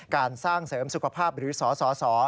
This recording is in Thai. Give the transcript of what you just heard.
การสร้างเสริมสุขภาพหรือสส